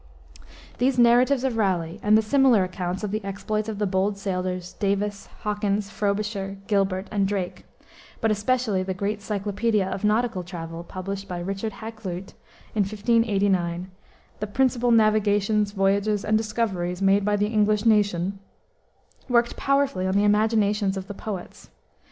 These narratives of Raleigh, and the similar accounts of the exploits of the bold sailors, Davis, Hawkins, Frobisher, Gilbert, and Drake; but especially the great cyclopedia of nautical travel, published by Richard Hakluyt, in 1589, The Principal Navigations, Voyages, and Discoveries made by the English Nation, worked powerfully on the imaginations of the poets.